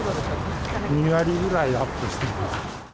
２割ぐらいアップしてる。